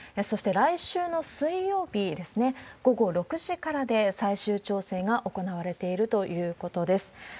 そして来週の水曜日ですね、午後６時からで最終調整が行われているということです。